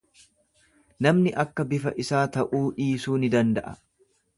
Namni akka bifa isaa ta'uu dhiisuu ni danda'a.